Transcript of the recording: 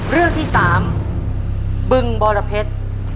เรื่องที่๓บึงบรเพชร